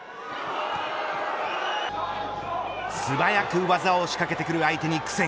素早く技を仕掛けてくる相手に苦戦。